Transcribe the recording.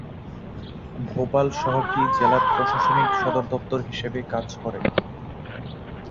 ভোপাল শহরটি জেলার প্রশাসনিক সদর দপ্তর হিসাবে কাজ করে।